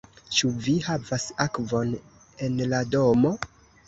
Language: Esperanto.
Ĉu vi havas akvon en la domo?